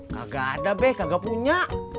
kagak ada be kagak punya